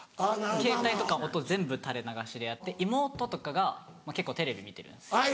ケータイとかの音全部垂れ流しでやって妹とかが結構テレビ見てるんです。